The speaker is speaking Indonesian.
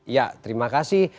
ya terima kasih